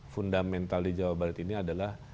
fundamental di jawa barat ini adalah